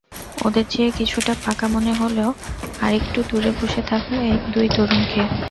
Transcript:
ওদের চেয়ে কিছুটা পাকা মনে হলো আরেকটু দূরে বসে থাকা দুই তরুণকে।